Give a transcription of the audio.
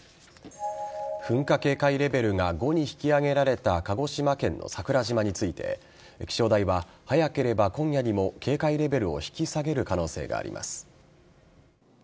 噴火警戒レベルが５に引き上げられた鹿児島県の桜島について気象台は早ければ今夜にも警戒レベルを引き下げる可能性があります。